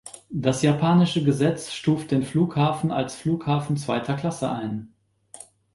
Das japanische Gesetz stuft den Flughafen als Flughafen zweiter Klasse ein.